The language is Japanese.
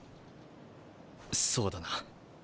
そうだな。